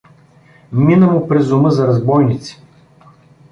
Мина му през ума за разбойници.